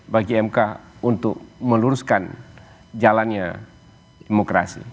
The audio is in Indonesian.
bagi mk untuk meluruskan jalannya demokrasi